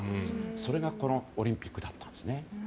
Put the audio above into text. それが、このオリンピックだったんですね。